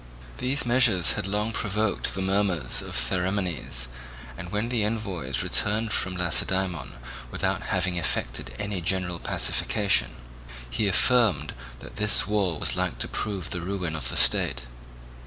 These measures had long provoked the murmurs of Theramenes, and when the envoys returned from Lacedaemon without having effected any general pacification, he affirmed that this wall was like to prove the ruin of the state.